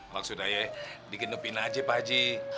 maksudnya ya dikenupin aja pak haji